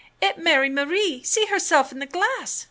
" 'Et Mary M'rie see herse'f in the glass!"